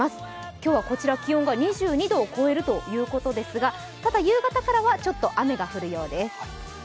今日はこちら気温が２２度を超えるということですがただ夕方からは雨が降るようです。